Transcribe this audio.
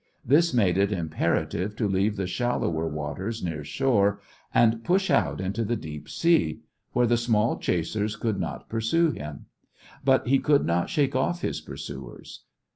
This made it imperative to leave the shallower waters near shore and push out into the deep sea, where the small chasers could not pursue him. But he could not shake off his pursuers.